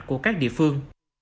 của các địa phương